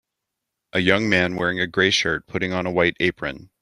A young man wearing a gray shirt putting on a white apron.